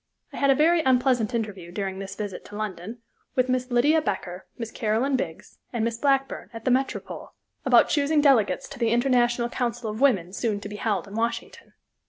I had a very unpleasant interview, during this visit to London, with Miss Lydia Becker, Miss Caroline Biggs, and Miss Blackburn, at the Metropole, about choosing delegates to the International Council of Women soon to be held in Washington.